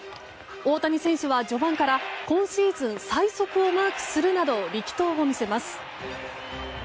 大谷選手は序盤から今シーズン最速をマークするなど力投を見せます。